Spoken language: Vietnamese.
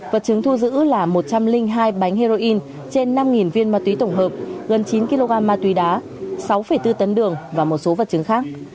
vật chứng thu giữ là một trăm linh hai bánh heroin trên năm viên ma túy tổng hợp gần chín kg ma túy đá sáu bốn tấn đường và một số vật chứng khác